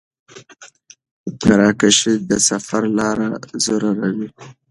قرعه کشي د سفر لپاره ضروري ده.